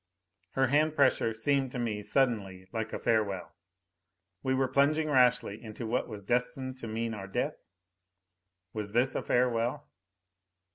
Her hand pressure seemed to me suddenly like a farewell. We were plunging rashly into what was destined to mean our death? Was this a farewell?